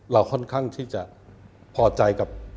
ค่อนข้างที่จะพอใจกับ